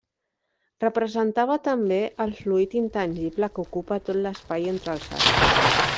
Representava també el fluid intangible que ocupa tot l'espai entre els astres.